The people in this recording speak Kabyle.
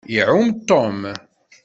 Iɛumm Tom.